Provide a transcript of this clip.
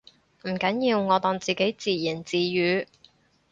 唔緊要，我當自己自言自語